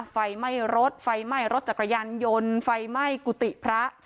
ไฟไหม้รถไฟไหม้รถจักรยานยนต์ไฟไหม้กุฏิพระ